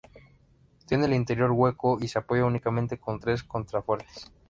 Tiene el interior hueco y se apoya únicamente en tres contrafuertes.